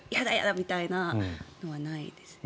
みたいなのはないですね。